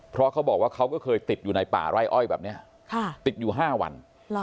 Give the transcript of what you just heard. เพราะเขาบอกว่าเขาก็เคยติดอยู่ในป่าไร่อ้อยแบบนี้ติดอยู่๕วัน